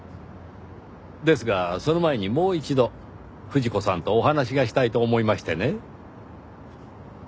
ですがその前にもう一度富士子さんとお話がしたいと思いましてね。